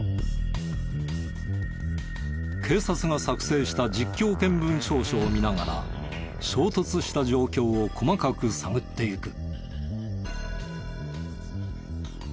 警察が作成した実況見分調書を見ながら衝突した状況を細かく探っていく。